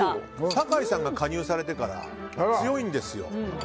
酒井さんが加入されてから強いです。